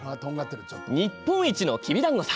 日本一のきびだんごさ。